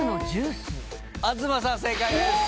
東さん正解です。